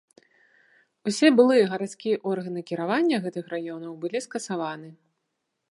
Усе былыя гарадскія органы кіравання гэтых раёнаў былі скасаваны.